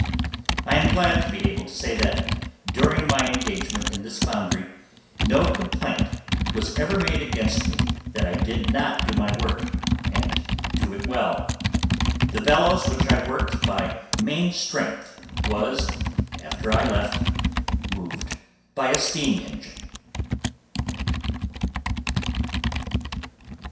I am glad to be able to say that, during my engagement in this foundry, no complaint was ever made against me that I did not do my work, and do it well. The bellows which I worked by main strength was, after I left, moved by a steam engine.